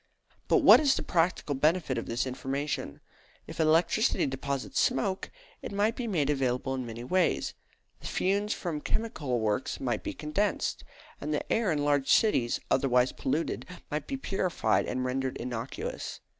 But what is the practical benefit of this information? If electricity deposits smoke, it might be made available in many ways. The fumes from chemical works might be condensed; and the air in large cities, otherwise polluted, might be purified and rendered innocuous.